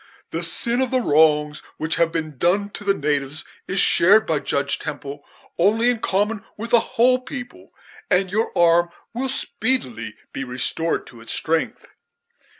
The sin of the wrongs which have been done to the natives is shared by Judge Temple only in common with a whole people, and your arm will speedily be restored to its strength."